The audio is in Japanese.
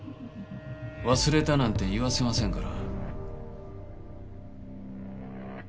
忘れたなんて言わせませんから。